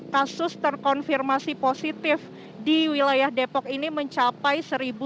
kasus terkonfirmasi positif di wilayah depok ini mencapai seribu sembilan puluh sembilan